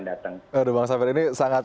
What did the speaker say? yang akan datang aduh bang safir ini sangat